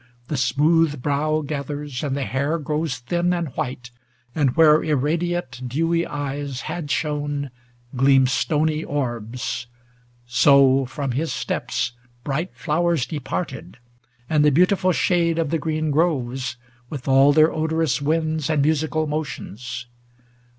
The smooth brow gathers, and the hair grows thin And white, and where irradiate dewy eyes Had shone, gleam stony orbs : ŌĆö so from his steps Bright flowers departed, and the beautiful shade Of the green groves, with all their odorous winds And musical motions.